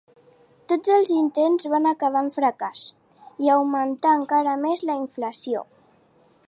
Tots els intents van acabar en fracàs, i augmentà encara més la inflació.